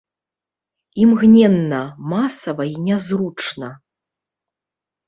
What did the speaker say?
Імгненна, масава і нязручна.